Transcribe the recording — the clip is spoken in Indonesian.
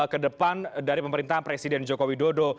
kedepan dari pemerintahan presiden joko widodo